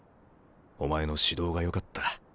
お前の指導がよかった。